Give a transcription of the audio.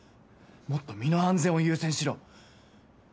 もっと身の安全を優先しろ。